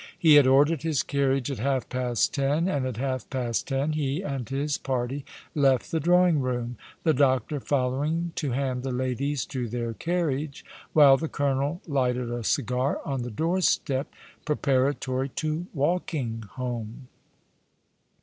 He had ordered his carriage at half past ten, and at half past ten he and his party left the drawing room, the doctor following to hand the ladies to their carriage, while the colonel lighted a cigar on the door step, preparatory to walking homo.